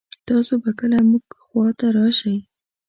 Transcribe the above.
تاسو به کله مونږ خوا ته راشئ